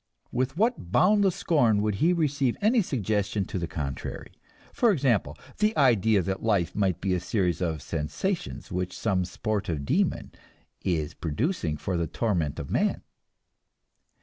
With what boundless scorn would he receive any suggestion to the contrary for example, the idea that life might be a series of sensations which some sportive demon is producing for the torment of man!